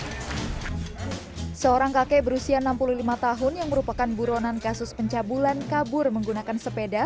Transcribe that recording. hai seorang kakek berusia enam puluh lima tahun yang merupakan buronan kasus pencabulan kabur menggunakan sepeda